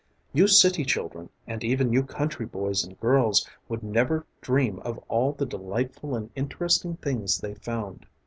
You city children and even you country boys and girls would never dream of all the delightful and interesting things they found.